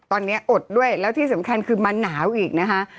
บอกว่ามันตึง